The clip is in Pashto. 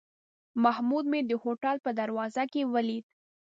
محمود مې د هوټل په دروازه کې ولید.